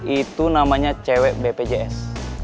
itu namanya cewek bpjs